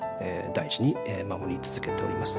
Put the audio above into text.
大事に守り続けております。